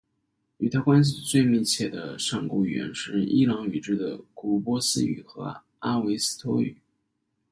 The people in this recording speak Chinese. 与它关系最密切的上古语言是伊朗语支的古波斯语和阿维斯陀语。